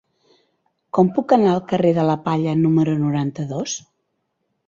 Com puc anar al carrer de la Palla número noranta-dos?